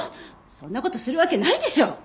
そんな事するわけないでしょ！